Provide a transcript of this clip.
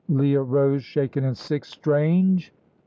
Leah rose, shaken and sick. "Strange!"